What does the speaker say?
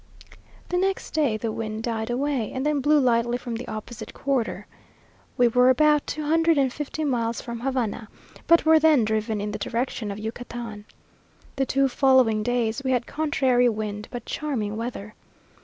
The next day the wind died away, and then blew lightly from the opposite quarter. We were about two hundred and fifty miles from Havana, but were then driven in the direction of Yucatan. The two following days we had contrary wind, but charming weather.